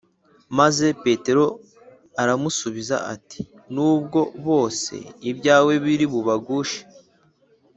Maze Petero aramusubiza ati “Nubwo bose ibyawe biri bubagushe